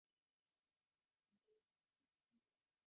দুঃখিত, বন্ধুরা।